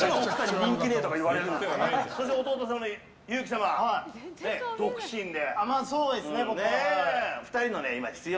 そして弟さんの有輝様、独身で。